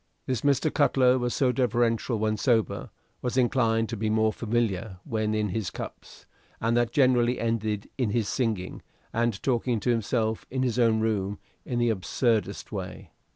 This Mr. Cutler, so deferential when sober, was inclined to be more familiar when in his cups, and that generally ended in his singing and talking to himself in his own room in the absurdest way.